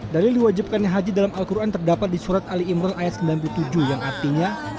dalil diwajibkannya haji dalam al quran terdapat di surat ali imran ayat sembilan puluh tujuh yang artinya